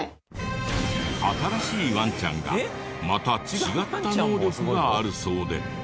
新しいワンちゃんがまた違った能力があるそうで。